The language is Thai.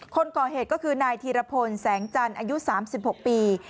คนก่อเหตุก็คือนายธีรพลแสงจันทร์อายุ๓๖ปี